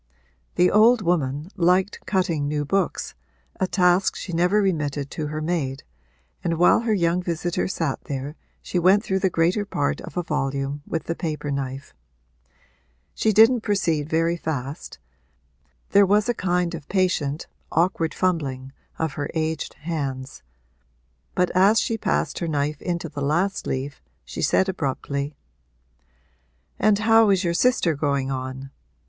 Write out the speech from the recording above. The old woman liked cutting new books, a task she never remitted to her maid, and while her young visitor sat there she went through the greater part of a volume with the paper knife. She didn't proceed very fast there was a kind of patient, awkward fumbling of her aged hands; but as she passed her knife into the last leaf she said abruptly 'And how is your sister going on?